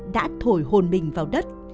đã thổi hồn mình vào đất